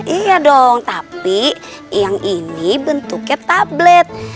iya dong tapi yang ini bentuknya tablet